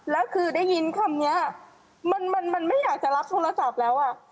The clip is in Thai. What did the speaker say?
แล้วคือได้ยินคำนี้มันไม่อยากจะรับโทรศัพท์แล้วอ่ะ